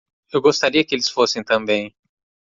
Eu gostaria que eles fossem também.